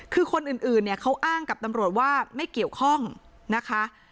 คือคนอื่นเนี่ยเขาอ้างกับตำรวจว่าไม่เกี่ยวข้องนะคะ